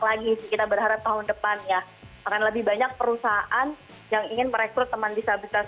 lagi sih kita berharap tahun depannya akan lebih banyak perusahaan yang ingin merekrut teman disabilitas